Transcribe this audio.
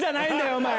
お前。